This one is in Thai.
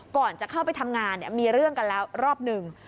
ก่อนจะเข้าไปทำงานมีเรื่องกันแล้วรอบหนึ่ง